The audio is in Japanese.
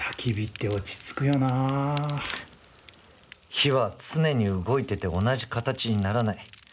火は常に動いてて同じ形にならない。